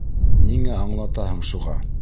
Ниңә аңлатаһың шуға?